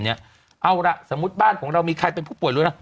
เอาล่ะสมมุติบ้านของเรามีใครเป็นผู้ป่วยรวยนะ